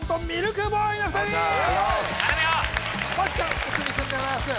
駒ちゃん内海君でございます